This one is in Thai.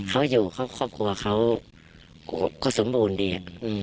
เขาอยู่ครอบครัวเขาก็สมบูรณ์ดี